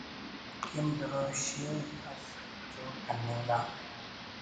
کن دروشینک اس جوڑ کننگا